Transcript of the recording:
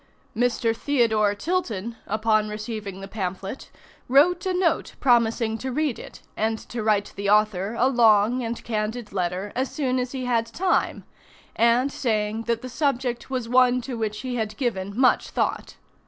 Mr. Theodore Tilton, upon receiving the pamphlet, wrote a note promising to read it, and to write the author a long and candid letter as soon as he had time; and saying, that the subject was one to which he had given much thought.